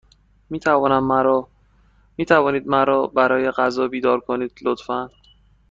می توانید مرا برای غذا بیدار کنید، لطفا؟